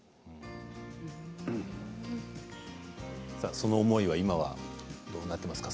その思いは今はどうなっていますか？